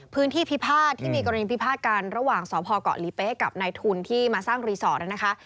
พิพาทที่มีกรณีพิพาทกันระหว่างสพเกาะหลีเป๊ะกับนายทุนที่มาสร้างรีสอร์ทนะคะ